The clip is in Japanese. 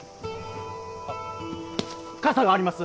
あっ傘があります